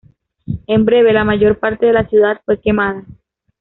En breve, la mayor parte de la ciudad fue quemada.